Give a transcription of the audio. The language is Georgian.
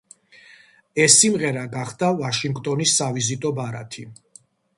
ეს სიმღერა გახდა ვაშინგტონის სავიზიტო ბარათი.